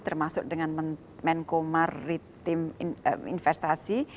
termasuk dengan menko maritim investasi